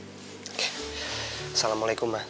oke assalamualaikum ma